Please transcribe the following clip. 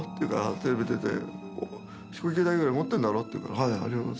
「テレビ出て飛行機代ぐらい持ってるだろ」って言うから「はいあります」